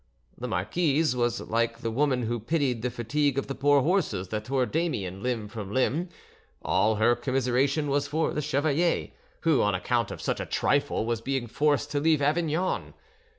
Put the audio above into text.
The marquise was like the woman who pitied the fatigue of the poor horses that tore Damien limb from limb; all her commiseration was for the chevalier, who on account of such a trifle was being forced to leave Avignon.